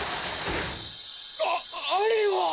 ああれは。